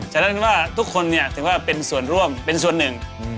ฉะนั้นว่าทุกคนเนี่ยถือว่าเป็นส่วนร่วมเป็นส่วนหนึ่ง